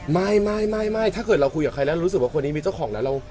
แต่เราก็ได้ว่าเราไม่ได้ไปแย่งคนมีเจ้าของเลยนะ